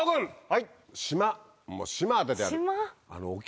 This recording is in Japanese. はい！